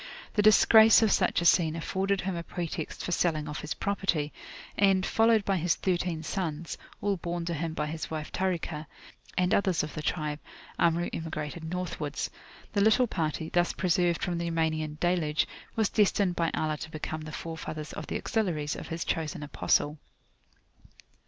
The disgrace of such a scene afforded him a pretext for selling off his property, and, followed by his thirteen sons, all borne to him by his wife Tarikah, and others of the tribe, Amru emigrated Northwards. The little party, thus preserved from the Yamanian Deluge, was destined by Allah to become the forefathers of the Auxiliaries of his chosen Apostle.